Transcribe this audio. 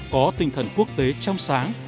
có tinh thần quốc tế trong sáng